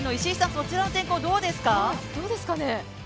そちらの天候、どうですか？